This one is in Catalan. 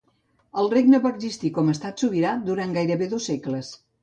El regne va existir com a estat sobirà durant gairebé dos segles.